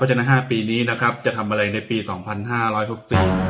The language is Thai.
ฉะนั้นห้าปีนี้นะครับจะทำอะไรในปีสองพันห้าร้อยหกสี่